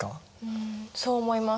うんそう思います。